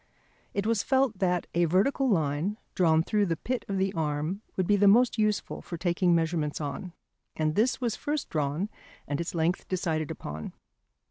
It was felt that a vertical line drawn through the pit of the arm would be the most useful for taking measurements on, and this was first drawn and its length decided upon.